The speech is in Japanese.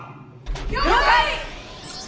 了解！